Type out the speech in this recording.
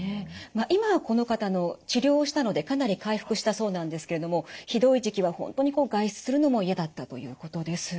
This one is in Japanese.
今はこの方治療したのでかなり回復したそうなんですけれどもひどい時期は本当に外出するのも嫌だったということです。